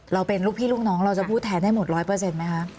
เราเป็นลูกพี่ลูกน้องเราจะพูดแทนให้หมดร้อยเปอร์เซ็นต์ไหมคะ